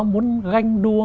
muốn ganh đua